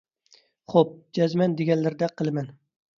خوپ، جەزمەن دېگەنلىرىدەك قىلىمەن.